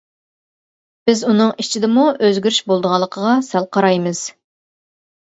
بىز ئۇنىڭ ئىچىدىمۇ ئۆزگىرىش بولىدىغانلىقىغا سەل قارايمىز.